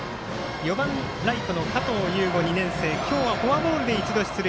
４番ライトの加藤右悟、２年生今日はフォアボールで一度、出塁。